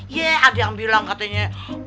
ye ada yang bilang katanya